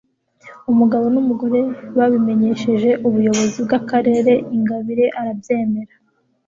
umugabo n'umugore babimenyesheje ubuyobozi bw'akarere ingabire arabyemera